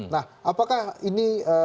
nah apakah ini